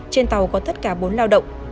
trên tàu có tất cả bốn lao động